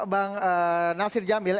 bang nasir jamil